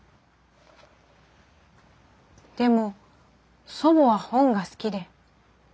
でも祖母は本が好きで。